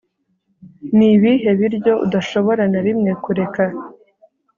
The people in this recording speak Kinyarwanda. Ni ibihe biryo udashobora na rimwe kureka